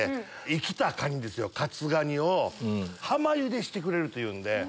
生きたカニですよ活ガニを浜ゆでしてくれるというんで。